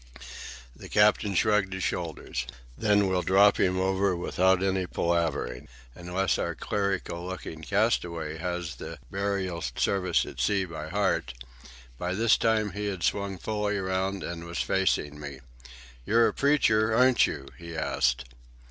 The captain shrugged his shoulders. "Then we'll drop him over without any palavering, unless our clerical looking castaway has the burial service at sea by heart." By this time he had swung fully around and was facing me. "You're a preacher, aren't you?" he asked.